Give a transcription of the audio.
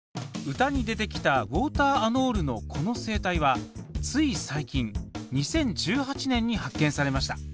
歌に出てきたウォーターアノールのこの生態はつい最近２０１８年に発見されました。